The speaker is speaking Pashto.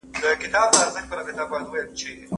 دوی وویل چې په ادارو کې رشوت سته.